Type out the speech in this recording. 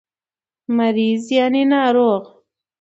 مريض √ ناروغ